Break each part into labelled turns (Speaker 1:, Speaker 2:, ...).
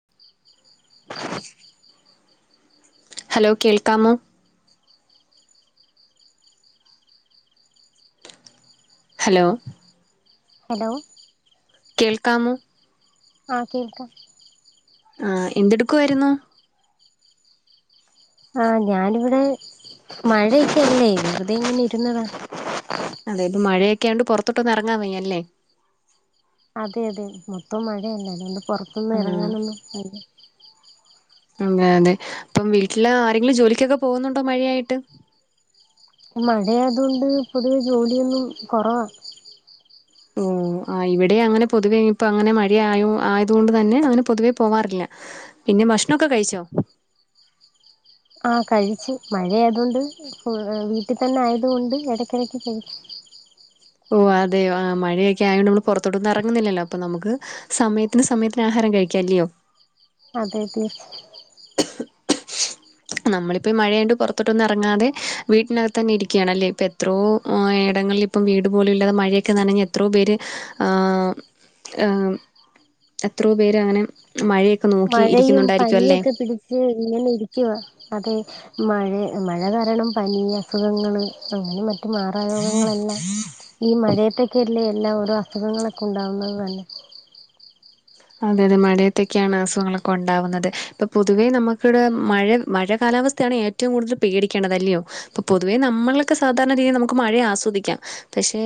Speaker 1: [inaudible]
Speaker 2: Hello കേൾക്കാമോ hello
Speaker 1: hello
Speaker 2: കേൾക്കാമോ
Speaker 1: ആഹ് കേക്കാം
Speaker 2: ആഹ് എന്തെടുക്കു അയിരുന്നു
Speaker 1: ആഹ് ഞാനിവിടെ മഴയക്കല്ലേ വെറുതെ ഇങ്ങനെ ഇരുന്നതാ
Speaker 2: അതെ ഇപ്പ മഴയൊക്കെയാണ്ട് പുറത്തട്ടന്ന് ഇറാങ്ങാൻ വയ്യല്ലേ
Speaker 1: അതെ അതെ മൊത്തം മഴയലെ അതോണ്ട് പുറ്ത്ത്ന്ന്
Speaker 2: ആ
Speaker 1: ഇറങ്ങാനൊന്നും [unintelligible]
Speaker 2: അങ്ങ അതെ അപ്പം വീട്ടില് ആരെങ്കിലും ജോലിക്കൊക്കെ പോവുന്നുണ്ടോ മഴയായിട്ട്
Speaker 1: മഴയതുകൊണ്ട് പൊതുവെ ജോലിയൊന്നും കൊറവാ
Speaker 2: ഉം ആഹ് ഇവിടെ അങ്ങനെ പൊതുവെ ഇപ്പ അങ്ങനെ മഴ ആയോ ആയതു കൊണ്ട് തന്നെ അങ്ങനെ പൊതുവേ പോവാറില്ല പിന്നെ ഭഷണംക്കെ കഴിച്ചോ
Speaker 1: ആഹ് കഴിച്ച് മഴ ആയതുകൊണ്ട് വീട്ടിൽ തന്നെ ആയതുകൊണ്ട് ഇടക്കടക്ക് കഴി
Speaker 2: ഓ അതെ ആഹ് മഴയൊക്കെ ആയോണ്ട് നമ്മൾ പുറത്തോട്ടൊന്നും ഇറങ്ങുന്നില്ലല്ലോപ്പൊ നമുക്ക് സമയത്തിന് സമയത്തിന് ആഹാരം കഴിക്കാല്ലയോ
Speaker 1: അതെതെ
Speaker 2: [inaudible] നമ്മളിപ്പോഈ മഴയണ്ട് പുറത്തോട്ടൊന്നും ഇറങ്ങാതെ വീട്ടിനകത്ത് തന്നെ ഇരിക്കുകാണ്ണല്ലേ ഇപ്പ എത്രോ ആഹ് എടങ്ങളിൽ ഇപ്പം വീട് പോലും ഇല്ലാതെ മഴയൊക്കെന്നനഞ്ഞ് എത്രോ പേര് ആഹ് എത്രോ പേര് അങ്ങനെ മഴയൊ
Speaker 1: മഴയും പനിയൊക്കെ പിടിച്ച് ഇങ്ങനെ ഇരിക്കുവ അതെ മയേ മഴ കാരണം പനി അസുഖങ്ങള് അങ്ങനെ മ- മാറായോഗങ്ങളെല്ലാം ഈ മഴയത്തൊക്കെയല്ലേ എല്ലാ ഓരോ അസുഖങ്ങളൊക്കെ ഉണ്ടാവുന്നുന്നത് തന്നെ
Speaker 2: അതെ അതെ മഴയത്തക്കെയാണ് അസുഖങ്ങളൊക്കെ ഉണ്ടാവുന്നത് ഇപ്പൊ പൊതുവേ നമുക്കിവിടെ മഴ മഴ കാലാവസ്ഥ ത്തെയാണ് ഏറ്റവും കൂടുതൽ പേടിക്കേണ്ടത് അല്ല്യയോ ഇപ്പൊ പൊതുവേ നമ്മളൊക്കെ സാധാരണ രീതിയിൽ നമുക്ക് മഴയേ ആസ്വദിക്ക്യം പക്ഷെ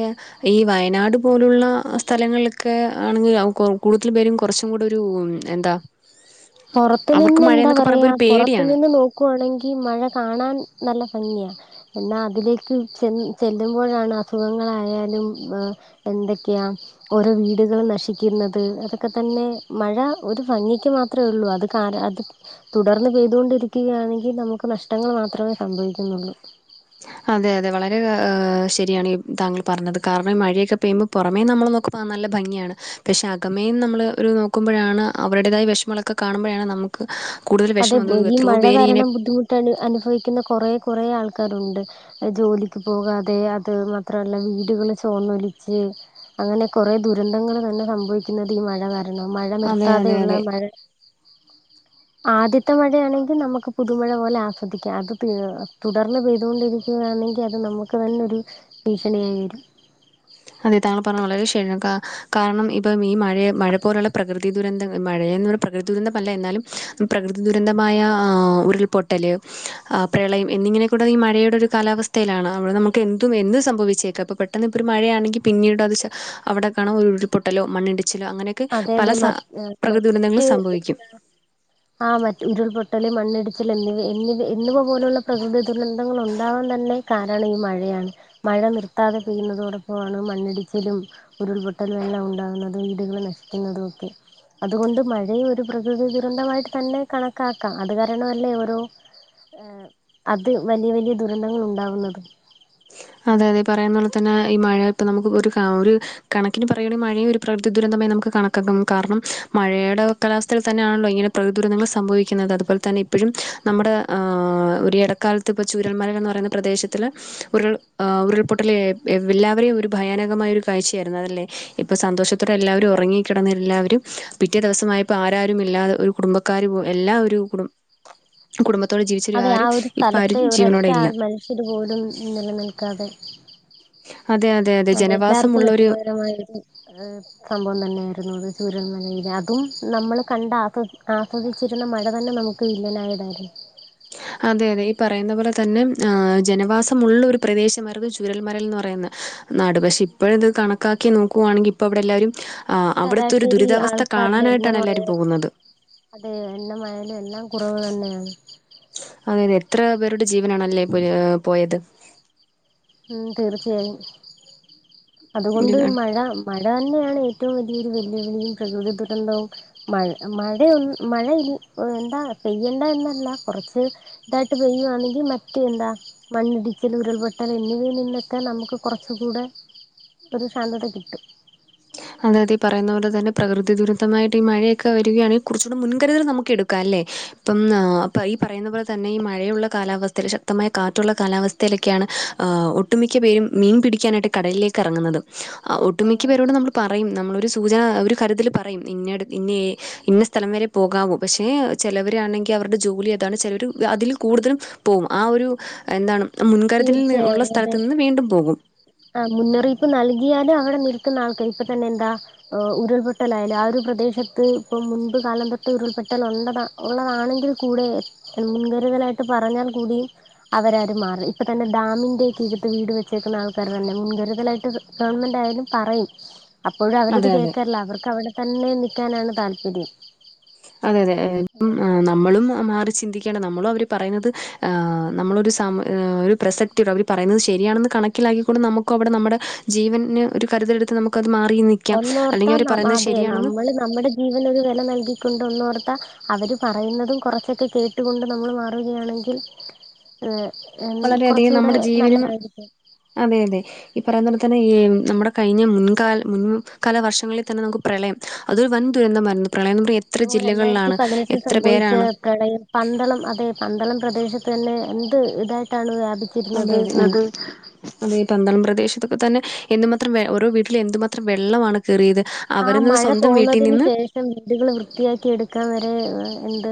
Speaker 2: ഈ വയനാട് പോലുള്ള സ്ഥലങ്ങൾലൊക്കെ ആണെങ്കിൽ കൂടുതൽ പേരും കൊറച്ചും കൂടരു എന്താ
Speaker 1: പൊറത്തു
Speaker 2: അവർക്ക്
Speaker 1: നിന്ന് എന്താ
Speaker 2: മഴയെന്നൊക്കെ പറയുമ്പോൾ
Speaker 1: പറയാ
Speaker 2: ഒരു
Speaker 1: പൊറത്തു
Speaker 2: പേടിയാണ്
Speaker 1: നിന്ന് നോക് ക്കുവാണെങ്കി മഴ കാണാൻ നല്ല ഭങ്ങിയാ എന്നാ അതിലേക്ക് ചെന്ന് ചെല്ലുമ്പോഴാണ് അസുഖങ്ങളായാലും എന്തൊക്കെയാ ഓരോ വീടുകളും നശിക്കുന്നത് അതൊക്കെ തന്നെ മഴ ഒരു ഭങ്ങിക്ക് മാത്രം മാത്രേ ഉള്ളൂ അത് കാര അത് തുടർന്ന് പെയ്തുകൊണ്ടിരിക്കുകയാണെങ്കി നമുക്ക് നഷ്ടങ്ങൾ മാത്രമേ സംഭവിക്കുന്നുള്ളൂ
Speaker 2: അതെ അതെ വളരെ ഹ് ശരിയാണ് ഈ താങ്കൾ പറഞ്ഞത് കാരണം ഈ മഴയൊക്കെ പെയ്യുമ്പം പുറമേ നമ്മള് നോക്കുമ്പ ആ നല്ല ഭംങ്ങിയാണ് പക്ഷെ അകമേം നമ്മള് ഒരു നോക്കുമ്പഴാണ് അവരുടേതായ വെഷമങ്ങളൊക്കെ ഒക്കെ കാണുമ്പഴാണ് നമുക്ക് കൂടുതൽ
Speaker 1: അതെ
Speaker 2: വിഷമം അത്
Speaker 1: ഈ
Speaker 2: എത്രയോ
Speaker 1: മഴ
Speaker 2: പേര് ഇങ്ങനെ
Speaker 1: കാരണം ബുദ്ധിമുട്ട് അനുഭവിക്കുന്ന കുറെ കുറേ ആൾക്കാരുണ്ട് ജോലിക്ക് പോകാതെ അത് മാത്രമല്ല വീടുകള് ചോർന്നൊലിച്ച് അങ്ങനെ കൊറേ ദുരന്തങ്ങൾ തന്നെ സംഭവിക്കുന്നത് ഈ മഴ കാരണം മഴ
Speaker 2: അതെ അതെ
Speaker 1: നിർത്താതെയുള്ള
Speaker 2: അതെ
Speaker 1: മഴ ആദ്യത്തെ മഴയാണെങ്കിൽ നമുക്ക് പുതുമഴ പോലെ ആസ്വദിക്കാം അത് തീർ തുടർന്ന് പെയ്തുകൊണ്ടിരി രിയ്ക്കുവാണെങ്കി അത് നമുക്ക് തന്നെ ഒരു ഭീഷണിയായി വരും
Speaker 2: അതെ താങ്കൾ പറഞ്ഞത് വളരെ ശരിയാണ് കാര കാരണം ഇപ്പം ഈ മഴയ മഴ പോലുള്ള പ്രകൃതി ദുരന്തങ്ങൾ മഴയെന്ന് പറ പ്രകൃതി ദുരന്തമല്ല എന്നാലും പ്രകൃതി ദുരന്തമായ ഒരു റിപ്പോർട്ടല്ലേ ആ പ്രളയം എന്നിങ്ങനെ കൂട ഈ മഴയുടെ ഒരു കാലാവസ്ഥയിലാണ് അവിടെ നമുക്ക് എന്തും എന്നും സംഭവിച്ചേക്കാം അപ്പൊ പെട് പെട്ടന്ന് ഇപ്പരു മഴയാണെങ്കി പിന്നീട് അത് ചെ അവ്ടെ കാണാം ഒരു ഉരുൾപൊട്ടലും മണ്ണിടിച് ച്ചിലോ അങ്ങനെയൊക്കെ
Speaker 1: അതെ
Speaker 2: പല
Speaker 1: അതെ
Speaker 2: സ
Speaker 1: മറ്റ്
Speaker 2: പ്രകൃതി ദുരന്തങ്ങളും
Speaker 1: മറ്റ്
Speaker 2: സംഭവിക്ക്യും
Speaker 1: ആ മറ്റ് ഉരുൾപൊട്ടല് മണ്ണിടിച്ചല് എന്നിവ എന്നിവ എന്നിവ പോലുള്ള പ്രകൃതി ദുരന്തങ്ങൾ ഉണ്ടാവാൻ തന്നെ കാരണം ഈ മഴയാണ് മഴ നിർത്താതെ പെയ്യുന്നതോടൊപ്പമാണ് മണ്ണിടിച്ചിലും ഉരുൾപൊട്ടലും എല്ലാം ഉണ്ടാകുന്നതും വീടുകൾ നശിക്കുന്നതും ഒക്കെ അതുകൊണ്ട് മഴയെ ഒരു പ്രകൃതി ദുരന്തമായിട്ട് തന്നെ കണക്കാക്കാം അത് കാരണമല്ലേ ഓരോ
Speaker 2: [inaudible]
Speaker 1: ഏ അത് വല്യ വല്യ ദുരന്തങ്ങൾ ഉണ്ടാവുന്നതും
Speaker 2: അതെ അതെ പറയും പോലെ തന്നെ ഈ മഴ ഇപ്പൊ നമുക്ക് ഒരു ക ഒരു കണക്കിന് പറയാണേ മഴയും ഒരു പ്രകൃതി ദുരന്തമായി നമുക്ക് കണക്കാക്കാം കാരണം മഴയുടെ കാലാവസ്ഥയിൽ തന്നെയാണല്ലോ ഇങ്ങനെ പ്രകൃദുരന്തങ്ങൾ സംഭവിക്കുന്നത് അതുപോൽ തന്നെ ഇപ്പഴും നമ്മുടെ ഒരു ഇടക്കാലത്ത് ഇപ്പോൾ ചുരൽമല എന്ന് പറയുന്ന പ്രദേശത്തില് ഉര്ള്ള് ആ ഉരുൾപൊട്ടല്ലേ എല്ലാവരെയും ഒരു ഭയാനകമായ ഒരു കാഴ്ചയായിരുന്നു അതല്ലേ ഇപ്പൊ സന്തോഷ [unintelligible] എല്ലാവരും ഉറങ്ങിക്കിടന്ന എല്ലാവരും പിറ്റേ ദിവസമായപ്പോ ആരാരും ഇല്ലാതെ ഒരു കുടുംബക്കാരുപോ എല്ലാ ഒരുകുടും ആ കുടുംബത്തോട് ജീവിച്ചവരാരും ഇപ്പ ആരും ജീവനോടെ ഇല്ല
Speaker 1: ഇതു പോലും നിലനിൽക്കാതെ
Speaker 2: അതെ അതെ
Speaker 1: അതെ എല്ലാർക്കും വെഷമകരമായ [unintelligible] സംഭവം തന്നെയായിരുന്നു അത് ചൂരൽമലയിലെ അതും നമ്മൾ കണ്ട് ആസ്വ ആസ്വദിച്ചിരുന്ന മഴ തന്നെ നമുക്ക് ക്ക്‌ വില്ലനായതായിരുന്നു
Speaker 2: അതെ അതെ ഈ പറയുന്ന പോലെ തന്നെ ആ ജനവാസമുള്ള ഒരു പ്രദേശമായിരുന്നു ചുരൽമരൽ എന്ന് പറയുന്നത് നാട് പക്ഷെ ഇപ്പഴും ഇത് കണക്കാക്കി നോക്കുവാണെങ്കി ഇപ്പ വ്ടെല്ലാവരും ആ അവിടുത്തെ ഒരു
Speaker 1: ശരാശരി
Speaker 2: ദുരിതാവസ്ഥ
Speaker 1: ആൾക്കാരുടെ
Speaker 2: കാണാനായിട്ടാണ് എല്ലാവരും
Speaker 1: എണ്ണമായാലും
Speaker 2: പോകുന്നത്
Speaker 1: അതെ എണ്ണ മയലും എല്ലാം കുറവ് തന്നെയാണ്
Speaker 2: അതെയതെ എത്ര പേരുടെ ജീവനാണല്ലേ പോയത്
Speaker 1: മം തീർച്ചയായും അതുകൊണ്ട്
Speaker 2: ഒരു
Speaker 1: മഴ മഴ തന്നെയാണ് ഏറ്റവും വലിയൊരു വെല്ലുവിളിയും പ്രകൃതി ദുരന്തവും മഴ മഴ ഉ മഴയി എന്താ പെയ്യേണ്ട എന്നല്ല കുറച്ച് ദായിട്ട് പെയ്യുവാണങ്കി മറ്റ് എന്താ മണ്ണ്ടിച്ചിൽ ഉരുൾപൊ പട്ടൽ എന്നിവയിൽ നിന്നൊക്കെ നമുക്ക് കുറച്ച കൂടെ ഒരു ശാന്തത കിട്ടും
Speaker 2: അതായത് പറയുന്ന പോലെ തന്നെ പ്രകൃതി ദുരതമായിട്ട് ഈ മഴയൊക്കെ വരികയാണെ കുറച്ചുകൂടെ മുൻകരുതൽ നമുക്ക എടുക്കാം അല്ലേ ഇപ്പം ഈ പറുന്ന പോലെ തന്നെ ഈ മഴയുള്ള കാലാവസ്ഥയിൽ ശക്തമായ കാറ്റുള്ള കാലാവസ്ഥ ലൊക്കെയാണ് ഒട്ടുമിക്ക പേരും മീൻ പിടിക്കാനായിട്ട് കടലിലേക്ക് ഇറങ്ങുന്നത് ആ ഒട്ടുമിക്ക
Speaker 1: അതെ
Speaker 2: പേരോടും നമ്മൾ പറയും നമ്മളൊരു സൂചന ഒരു കരുതൽ പറയും ഇന്നട് ഇന്ന- ഇന്ന സ്ഥലം വരെ പോകാവൂ പക്ഷെ ചിലവരാണെങ്കിൽ അവരുടെ ജോലി അതാണ് ചിലവർ അതിൽ കൂടുതലും പോകും ആ ഒരു എന്താണ് മുൻകരുതല് ഉള്ള സ്ഥലത്ത് നിന്ന് വീണ്ടും പോകും
Speaker 1: ആഹ് മുന്നറിയിപ്പ് നൽകിയാലും അവിടെ നിൽക്കുന്ന ആൾക്ക് ഇപ്പൊ തന്നെ എന്താ ഏ ഉരുൾപൊട്ടലായാലും ആ ഒരു പ്രദേശത്ത് ഇപ്പം മുൻപ് കാലം തൊട്ടേ ഉരുൾപൊട്ടൽ ഉണ്ടതാ ഉള്ളതാണെങ്കിൽ കൂടെ മുൻകരുതലായിട്ട് പറഞ്ഞാൽ കൂടിയും അവരരും മാറും ഇപ്പ തന്നെ ഡാമിന്റെ തീരത്ത് വീട് വെച്ചേക്കുന്ന ആള്- തന്നെ മുൻകരുതലായിട്ട് ഗവൺമെന്റ് ആയാലും പറയും അപ്പോഴും അവരത്
Speaker 2: അതെ അതെ
Speaker 1: കേൾക്കാറില്ല അവർക്കവിടെ തന്നെ നിക്കാനാണ് താല്പര്യം
Speaker 2: അതെ അതെ ഇപ്പം ആഹ് നമ്മളും മാറി ചിന്തിക്കേണ്ട നമ്മളും അവർ പറയുന്നത് ഏ നമ്മളൊരു സമ ഒരു പ്രസക്- അവർ പറയുന്നത് ശരിയാണെന്ന് കണക്കിലാക്കിക്കൊണ്ട് നമുക്ക അവിടെ നമ്മുടെ ജീവന് ഒരു കരുതലടുത്ത് നമുക്കത് മാറി നിക്ക- ക്കാം
Speaker 1: ഒന്നോർത്താ
Speaker 2: അല്ലെങ്കിൽ അവർ പറയുന്നത്
Speaker 1: അതെ
Speaker 2: ശരിയാണെന്ന്
Speaker 1: നമ്മള് നമ്മുടെ ജീവനൊ ഒരു വില നൽകിക്കൊണ്ടോ ഒന്നോർത്താ അവര് പറയുന്നതും കുറച്ചൊക്കെ കേട്ടി- ട്ടു കൊണ്ട് നമ്മൾ മാറുകയാണെങ്കിൽ ഏഹ്
Speaker 2: വളരെയധികം
Speaker 1: കുറച്ചുകൂടെ
Speaker 2: നമ്മുടെ ജീവനും
Speaker 1: നല്ലതായിരിക്കും
Speaker 2: അതെ അതെ ഈ പറയുന്ന പോലെ തന്നെ ഈ നമ്മുടെ കഴിഞ്ഞ മുൻകാ മുൻ കാല വർഷങ്ങളിൽ തന്നെ നമുക്ക് പ്രളയം അതൊരു വൻ ദുരന്തമായിരുന്നു പ്രളയം എ പറയുന്നത് എത്ര ജില്ലകളിലാണ് എത്ര പേരാണ്
Speaker 1: പ്രണയം പന്തളം അതെ പന്തളം പ്രദേശത്ത് തന്നെ എന്ത് ഇതായിട്ടാണ് വ്യാപി-
Speaker 2: അതെ അതെ അതെ പന്തളം പ്രദേശത്തൊക്കെ തന്നെ എന്തുമാത്രം ഓരോ വീട്ടിലും എന്തുമാത്രം വെള്ളമാണ് കയറിയത് അവർ നിന്ന സ്വന്തം വീട്ടിൽ നിന്ന്
Speaker 1: പക്ഷെ വീടുകൾ വൃത്തിയാക്കി എടുക്കാൻ വരെ എന്ത്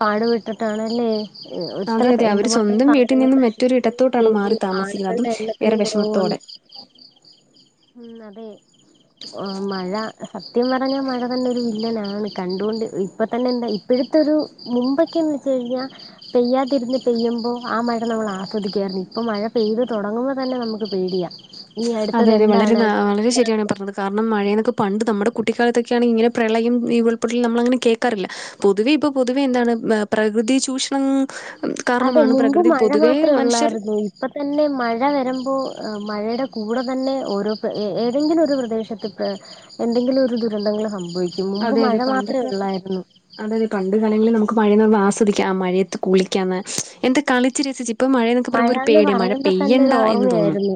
Speaker 1: പാടുപട്ടിട്ടാണല്ലേ
Speaker 2: അതെ
Speaker 1: ഇത്ര
Speaker 2: അതെ അവര്
Speaker 1: എന്തുമാത്രം
Speaker 2: സ്വന്തം വീട്ടിൽ
Speaker 1: സാധനങ്ങൾ
Speaker 2: നിന്നും മറ്റൊരു
Speaker 1: നശിക്കുകയും
Speaker 2: ഇടത്തോട്ടാണ്
Speaker 1: ചെയ്തു
Speaker 2: മാറി താമസിക്കുന്നത് അതും
Speaker 1: ആളുകളുടെ
Speaker 2: ഏറെ
Speaker 1: എണ്ണത്തിലും കുറവു വന്ന്
Speaker 2: വിഷമത്തോടെ
Speaker 1: ഉം അതെ ആ മഴ സത്യം പറഞ്ഞാൽ മഴ തന്നെ ഒരു വില്ലനാണ് കണ്ടുകൊണ്ട് ഇപ്പ തന്നെ എന്താ ഇപ്പോഴത്തൊരു മുമ്പൊക്കെ എന്ന് വച്ച് കഴിഞ്ഞാ പെയ്യാതിരുന്ന് പെയ്യുമ്പോ ആ മഴ നമ്മൾ ആസ്വദിക്ക്വായിരുന്നു ഇപ്പൾ മഴ പെയ്തു തുടങ്ങുമ്പോ തന്നെ നമു ക്ക് പേടിയാ ഈ
Speaker 2: അതെ
Speaker 1: അടുത്തത്
Speaker 2: അതെ വളരെ
Speaker 1: എന്താണ് അടുത്തത്
Speaker 2: വളരെ
Speaker 1: എന്താണ്
Speaker 2: ശരിയാണ് പറഞ്ഞത് കാരണം മഴേന്നൊക്കെ പണ്ട് നമ്മുടെ കുട്ടിക്കാലത്തൊക്കെയ ആണെങ്കി ഇങ്ങനെ പ്രളയം. ഈ ഉൾപ്പൊട്ടൽ നമ്മളങ്ങനെ കേൾക്കാറില്ല പൊതുവെ ഇപ്പൊ പൊതുവെ എന്താണ് പ്രകൃതി ചൂഷണം
Speaker 1: അതെ
Speaker 2: കാരണമാണ്
Speaker 1: മുമ്പ്
Speaker 2: പ്രകൃതി
Speaker 1: മഴ
Speaker 2: പൊതുവേ
Speaker 1: മാത്രേ
Speaker 2: മനുഷ്യർ
Speaker 1: ഉള്ളായിരുന്നു ഇപ്പ തന്നെ മഴ വരുമ്പോ മഴയുടെ കൂടെ തന്നെ ഓരോ ഏതെങ്കിലും ഒരു പ്രദേശത്ത് എന്തെങ്കിലും ഒരു ദുരന്തങ്ങൾ സംഭവിക്കും മുമ്പ് മഴ മാത്രേ ഉള്ളായിരുന്നു
Speaker 2: അതെതെ പണ്ട് കാലങ്ങളിൽ നമുക്ക് മഴയന്ന് പറ ആസ്വദിക്കാം ആ മഴയത്ത് കുളിക്കാന്ന് എന്താ കളിച്ച് രസിച്ച് ഇപ്പൊ മഴയെന്നൊക്കെ പറയുമ്പോ ഒരു
Speaker 1: മഴാന്ന്
Speaker 2: പേടിയാ മഴ
Speaker 1: പറയുമ്പോ തന്നെ
Speaker 2: പെയ്യണ്ട
Speaker 1: ഒരു
Speaker 2: എന്ന് തോന്നും
Speaker 1: ഓർമ്മയായിരുന്നു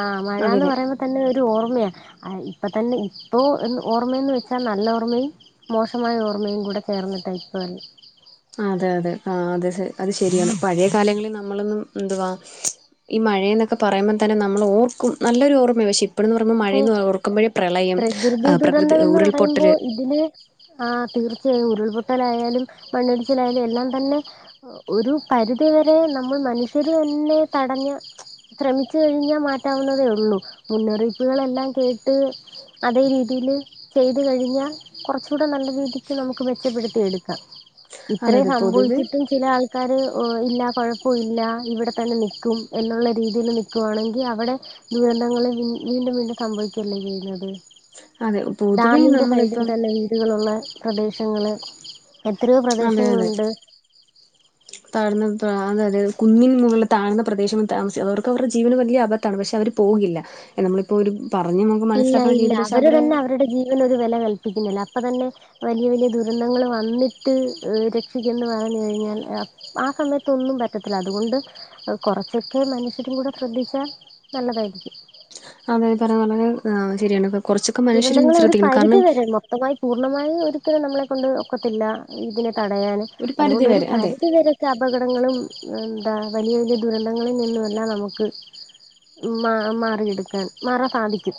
Speaker 1: ആഹ്
Speaker 2: അതെ
Speaker 1: മഴന്ന്
Speaker 2: അതെ
Speaker 1: പറയുമ്പ- തന്നെ ഒരു ഓർമ്മയാണ് ഇപ്പം തന്നെ ഇപ്പോ ഓർമ്മയെന്ന് വെച്ചാൽ നല്ല ഓർമ്മയും മോശമായ ഓർമ്മയും കൂടെ ചേർന്നിട്ട ഇപ്പ വരു-
Speaker 2: അതെ അതെ അത് അത് ശരിയാണ് പഴയ കാലങ്ങളിൽ നമ്മളൊന്നും എന്തുവാ ഈ മഴയന്നൊക്കെ പറയുമ്പോ തന്നെ നമ്മൾ ഓർക്കും നല്ലൊരു ഓർമ്മയ പക്ഷെ പ്പോഴന്ന് പറയുമ്പോ
Speaker 1: അതെ
Speaker 2: മഴേന്ന് ഓർക്കുമ്പോഴേ പ്രളയം പ്രകൃതി ഉരുൾപൊട്ടൽ
Speaker 1: അതിന് ആഹ് തീർച്ചയായും ഉരുൾപൊട്ടലായാലും മണ്ണിടിച്ചിലായാലും എല്ലാം തന്നെ ഒരു പരിധിവരെ നമ്മൾ മനുഷ്യർ തന്നെ തടഞ്ഞ് ശ്രമിച്ചു കഴിഞ്ഞാ മാറ്റാവുന്നതേ ഉള്ളൂ മുന്നറിയിപ്പുകളെല്ലാം കേട്ട് അതേ രീതിയില് ചെയ്ത് കഴിഞ്ഞാ കുറച്ച കൂടെ നല്ല രീതിക്ക് നമുക്ക് മെച്ചപ്പെടുത്തി എടുക്കാം
Speaker 2: അതെ
Speaker 1: ഇത്രയും
Speaker 2: അതെ പൊതുവെ
Speaker 1: സംഭവിച്ചിട്ടും ചില ആൾക്കാർ ഇല്ല കുഴപ്പമില്ല ഇവിടെത്തന്നെ നിൽക്കും എന്നുള്ള രീതിയിൽ നിൽക്കുയാണെങ്കി അവിടെ ദുരന്തങ്ങൾ വീണ്ടും വീണ്ടും സംഭവിക്കല്ലേ ചെയ്യുന്നത്
Speaker 2: അതെ പൊതുവേ
Speaker 1: ഡാമിന്റെ സൈഡിൽ
Speaker 2: നമ്മളിപ്പം
Speaker 1: തന്നെ കുട്ടികളുള്ള പ്രദേശങ്ങൾ എത്രയോ
Speaker 2: അതെ അതെ
Speaker 1: പ്രദേശങ്ങളുണ്ട്.
Speaker 2: താഴ്ന്ന അതായത് കുന്നിന് മുകളിൽ താഴ്ന്ന പ്രദേശം താമസിക്ക അവർക്ക് അവരുടെ ജീവന് വലിയ അപ ത്താണ് പക്ഷേ അവര് പോകില്ല, നമ്മളിപ്പോ ഒരു പറഞ്ഞ് നമുക്ക് മനസ്സിലാക്കുന്ന രീതിയില് വെച്ചാ അവരെ
Speaker 1: അങ്ങനെ ഒരു വില കൽപ്പിക്കുന്നില്ല അപ്പോ തന്നെ വലിയ വലിയ ദുരന്തങ്ങൾ വന്നിട്ട് രക്ഷിക്കുന്ന് പറഞ്ഞു കഴിഞ്ഞാൽ ആ സമയത്തൊന്നും പറ്റത്തില്ല അതുകൊണ്ട് കുറച്ചൊക്കെ മനുഷ്യരും കൂടെ ശ്രദ്ധിച്ചാൽ നല്ലതായിരിക്കും.
Speaker 2: അതായത് പറയാ പറഞ്ഞാൽ എഹ് ശരിയാണ് കുറച്ചൊക്കെ മനുഷ്യരും ശ്രദ്ധിക്കണം കാരണം
Speaker 1: വ്യക്തമായി പൂർണ്ണമായി ഒരുത്തരും നമ്മളെ കൊണ്ട് ഒക്കത്തില്ല, ഇതിനെ തടയാൻ
Speaker 2: പരിധി
Speaker 1: അതുകൊണ്ട് ഒരു
Speaker 2: വരെ അതെ
Speaker 1: പരിധി വരെ അപകടങ്ങളും എന്താ വലിയ വലിയ ദുരന്തങ്ങളിൽ നിന്നുമല്ലാം നമുക്ക് മാ മാറിയെടുക്കാൻ മാറാൻ സാധിക്കും.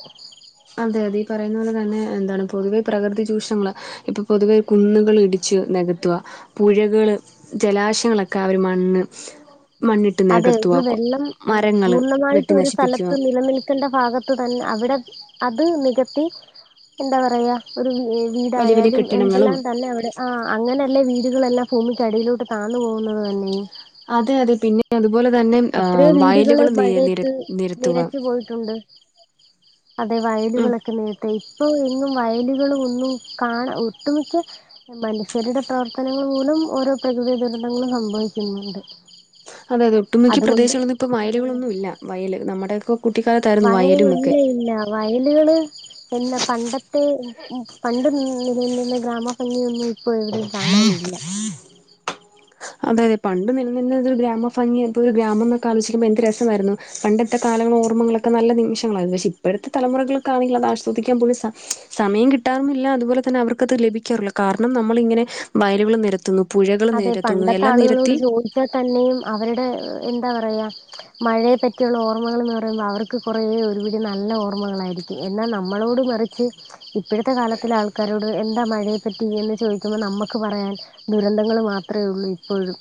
Speaker 2: അതെ അതെ ഈ പറയുന്ന പോലെ തന്നെ എന്താണ് പൊതുവെ പ്രകൃതി ചൂഷണങ്ങൾ ഇപ്പോ പൊതുവെ കുന്നുകൾ ഇടിച്ച് നികത്തുക. പുഴകള് ജലാശയങ്ങളൊക്കെ അവര് മണ്ണ് മണ്ണിട്ട്
Speaker 1: അതെ ഒരു
Speaker 2: നികത്തുക
Speaker 1: വെള്ളം
Speaker 2: മരങ്ങള്
Speaker 1: പൂർണമായിട്ട്
Speaker 2: വെട്ടി
Speaker 1: ഒരു
Speaker 2: നശിപ്പിക്കുക
Speaker 1: സ്ഥലത്ത് നിലനിൽ ക്കണ്ട ഭാഗത്ത് തന്നെ അവിടെ അത് നികത്തി എന്ത പറയ ഒരു [unintelligible]
Speaker 2: വലിയ വലിയ
Speaker 1: വീടായാലും
Speaker 2: കെട്ടിടങ്ങളും
Speaker 1: എന്തെല്ലാം തന്നെ അവിടെ ആഹ് അങ്ങനെയല്ലേ വീടുകളെല്ലാം ഭൂമിക്കടിയിലോട്ട് താന്നു പോകുന്നത് തന്നെ
Speaker 2: അതെ അതെ പിന്നെ അതുപോലെ തന്നെ
Speaker 1: എത്രയോ
Speaker 2: ആഹ് വയലുകളും നി നിരത്തുക.
Speaker 1: പോയിട്ടുട്ട്, അതെ വയലുകളൊ ക്കെ നേരത്തെ ഇപ്പോൾ എന്നും വയലുകളും ഒന്നും കാണാ ഒട്ടുമിക്കെ മനുഷ്യരുടെ പ്രവർത്തനങ്ങൾ മൂലം ഓരോ പ്രകൃതി ദുരന്തങ്ങളും സംഭവിക്കുന്നുണ്ട്.
Speaker 2: അതെ അതെ ഒട്ടുമിക്ക
Speaker 1: അതുകൊണ്ട്
Speaker 2: പ്രദേശങ്ങളൊന്നും ഇപ്പൊ
Speaker 1: അതെ
Speaker 2: വയലുകളൊന്നുമില്ല, വയല് നമ്മുടെയൊക്കെ കുട്ടിക്കാലത്തായിരുന്നു
Speaker 1: വയൽ ഇല്ല
Speaker 2: വയലുമൊക്കെ
Speaker 1: ഇല്ല വയലുകള് പിന്നെ പണ്ടത്തെ പണ്ട് നിലനിന്ന ഗ്രാമ ഭംഗിയൊന്നും ഇപ്പോ എവിടെയും കാണാനില്ല.
Speaker 2: അതെ പണ്ട് നിലനിന്നുന്നൊരു ഗ്രാമ ഭംഗി ഇപ്പോ ഒരു ഗ്രാമം എന്നൊക്കെ ആലോചിക്കുമ്പോ എന്ത് രസമായിരുന്നു, പണ്ടത്തെ കാലങ്ങൾ ഓർമ്മളൊക്കെ എത്ര നല്ല നിമിഷങ്ങളായിരുന്നു പക്ഷെ ഇപ്പൊഴത്തെ തലമുറകൾക്കാണെങ്കിൽ അത് ആസ്വദിക്കാൻ പോലും സ സമയം കി കിട്ടാനില്ല അതുപോലെ തന്നെ അവർക്കത് ലഭിക്കാറില്ല കാരണം നമ്മളിങ്ങനെ വയലുകൾ നിരത്തുന്നു പുഴകൾ
Speaker 1: അതെ
Speaker 2: നിര
Speaker 1: പണ്ടത്തെ ആളുകളോട് ചോദിച്ചാൽ തന്നെയും അവരുടെ എന്താ പറയ മഴയെ പറ്റിയുള്ള ഓർമ്മകളെന്ന് പറയുമ്പൊ അവർക്ക് കൊറേ ഒരുപിടി നല്ല ഓർമ്മകളായിരിക്കും. എന്നാ നമ്മളോട് മറിച്ച് ഇപ്പൊഴത്തെ കാലത്തിലെ ആൾക്കാരോട് എന്താ മഴയെ പറ്റി എന്ന് ചോദിക്കുമ്പോൾ നമ്മക്ക് പറയാൻ ദുരന്തങ്ങള് മാത്രമേ ഉള്ളൂ ഇപ്പൊ ഴും.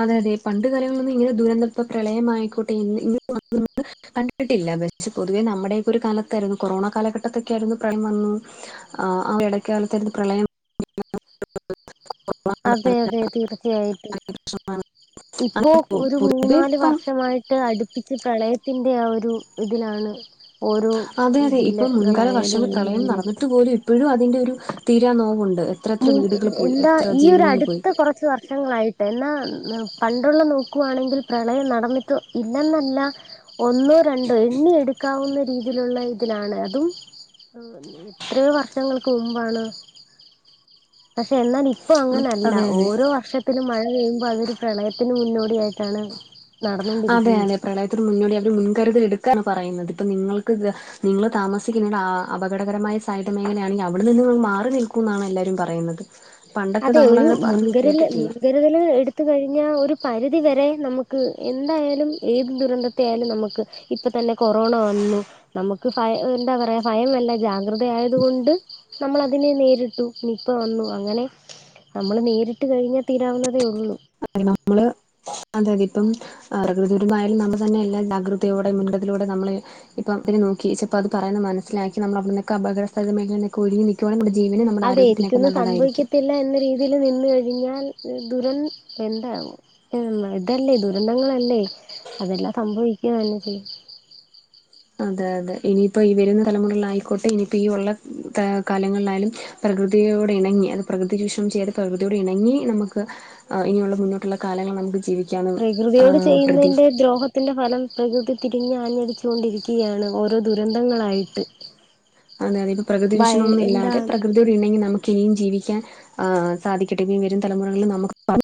Speaker 2: അതെ അതെ പണ്ട് കാലങ്ങളിലൊന്നും ഇങ്ങനെ ദുരന്ത പ്പ പ്രളയമായിക്കോട്ടെ ഇന്ന്' [unintelligible] കണ്ടിട്ടില്ല, പക്ഷേ, പൊതുവേ നമ്മുടെയൊക്കൊരു കാലത്തായിരുന്നു കൊറോണ കാലഘട്ടത്തൊക്കെ ആയിരുന്നു പ്രളയം വന്നു ആഹ് ഇടക്കകാലത്തായിരുന്നു പ്രളയം ' [unintelligible]
Speaker 1: അതെ അതെ തീർച്ചയായിട്ടും ഇപ്പോ ഒരു
Speaker 2: ഇത്
Speaker 1: മൂന്നാല്
Speaker 2: ഇപ്പം
Speaker 1: വർഷമായി ട്ട് അടുപ്പിച്ച് പ്രളയത്തിന്റെ ആഹ് ഒരു ഇതിലാണ്. ഓരോ
Speaker 2: അതെ അതെ ഇപ്പം മുൻകാല
Speaker 1: ജില്ലകളായാലും
Speaker 2: വർഷങ്ങൾ
Speaker 1: എല്ലാം
Speaker 2: പ്രളയം
Speaker 1: തന്നെ
Speaker 2: നടന്നിട്ട് പോലും ഇപ്പൊഴും അതിന്റെ ഒരു തീരാ നോവുണ്ട്.
Speaker 1: അല്ല
Speaker 2: എത്ര വീടുകൾ പോയി
Speaker 1: എന്താ
Speaker 2: എത്ര
Speaker 1: ഈ ഒരു
Speaker 2: ജീവനുകൾ പോയി
Speaker 1: അടുത്ത കൊറ ച്ച് വർഷങ്ങളായിട്ട് എന്നാ പണ്ടുള്ള നോക്കുവാണെങ്കിൽ പ്രളയം നടന്നിട്ട് ഇല്ലെന്നല്ല. ഒന്നോ രണ്ടോ എണ്ണി എടുക്കാവുന്ന രീതി യിലുള്ള ഇതിലാണ് അതും എത്രയോ വർഷങ്ങൾക്ക് മുമ്പാണ്. പക്ഷേ എന്നാൽ ഇപ്പൊ
Speaker 2: ഉം
Speaker 1: അങ്ങനല്ല
Speaker 2: അതെ അതെ
Speaker 1: ഓരോ വർഷ ത്തിലും മഴ പെയ്യുമ്പോൾ അതൊരു പ്രളയത്തിന് മുന്നോടിയായിട്ടാണ്.
Speaker 2: അതെ
Speaker 1: നടന്നുകൊണ്ടിരിക്കുന്നത്
Speaker 2: അതെ പ്രളയത്തിന് മുന്നോടി അവർ മുൻകരുതൽ എടുക്കാണ് പറയുന്നത് ഇപ്പൊ നിങ്ങൾക്ക് നിങ്ങൾ താമസിക്കുന്ന ഇടം അപകടപരമായ സൈഡ് മേഖലയാണെങ്കിൽ അവിടെ നിന്ന് മാറി നിൽക്കൂ എന്നാണ് എല്ലാരും പറയുന്നത്. പണ്ടൊക്കെ നമ്മളങ്ങനെ പറഞ്ഞു കേട്ടിട്ടില്ല
Speaker 1: കരുതല് എടുത്ത് കഴിഞ്ഞാൽ ഒരു പരിധിവരെ നമ്മക്ക് എന്തായാലും ഏത് ദുരന്തത്തെ ആയാലും നമു ക്ക് ഇപ്പൊ തന്നെ കൊറോണ വന്നു നമുക്ക് ഭയ എന്താ പറയാ ഭയമല്ല ജാഗ്രതയായത് കൊണ്ട് നമ്മളതിനെ നേരിട്ടു നിപ്പ വന്നു അങ്ങനെ നമ്മള് നേരിട്ട് കഴിഞ്ഞാൽ തീരാവുന്നതേ ഉള്ളൂ
Speaker 2: അതെ നമ്മള് അതെ അതെ ഇപ്പം പ്രകൃതിദുരന്ത മായാലും നമ്മൾ തന്നെ എല്ലാ ജാഗ്രതയോടെ മുൻകരുതതിലൂടെ നമ്മള് ഇപ്പം ഇത് നോക്കി ചെലപ്പൊ അത് പറയുന്നത് മനസ്സിലാക്കി നമ്മള അവിടെന്നൊക്കെ അകടസ്ഥലമേഘലേന്നൊക്കെ ഒതുങ്ങി നിക്കുവാണെങ്കി
Speaker 1: അതെ എനിക്കൊന്നും സംഭവിക്കത്തില്ല എന്ന രീതി തിൽ നിന്ന് കഴിഞ്ഞാൽ ദുരംഎ ന്താകും ഉം ഇതല്ലേ ദുരന്തങ്ങളല്ലേ അതെല്ലാം സംഭവിക്കുക തന്നെ ചെയ്യും
Speaker 2: അതെ അതെ ഇനിയിപ്പൊ ഈ വരുന്ന തലമുറയിലായിക്കോട്ടെ ഇനിയിപ്പോ ഈ ഉള്ള ത്ത കാലങ്ങളിലായാലും പ്രകൃതിയോടെ ഇണങ്ങി അത് പ്രകൃതി ചൂഷണം ചെയ്ത് പ്രകൃതിയോട് ഇണങ്ങി നമുക്ക് ആഹ് ഇനിയുള്ള മുന്നോട്ടുള്ള കാലങ്ങൾ നമുക്ക് ജീവി
Speaker 1: പ്രകൃതിയോട് ചെയ്യുന്നതിന്റെ ദ്രോഹ ഹത്തിൻ്റെ ഫലം പ്രകൃതി തിരിഞ്ഞ് ആഞ്ഞടിച്ചുകൊണ്ടിരിക്കുകയാണ് ഓരോ ദുരന്തങ്ങളായിട്ട്
Speaker 2: അതെ അതെ ഇപ്പം പ്രകൃതി വിഷയ
Speaker 1: വയ
Speaker 2: ങ്ങളൊന്നും
Speaker 1: എന്താ
Speaker 2: ഇല്ലാതെ പ്രകൃ തിയോടണങ്ങി നമുക്ക്നിയും ജീവിക്കാൻ ആഹ് സാധിക്കട്ടെ ഇനി വരും തലമുറളിൽ നമുക്ക്